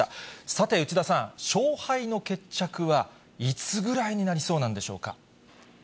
さて、内田さん、勝敗の決着はいつぐらいになりそうなんでしょう